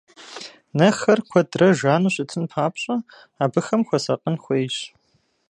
Нэхэр куэдрэ жану щытын папщӀэ, абыхэм хуэсакъын хуейщ.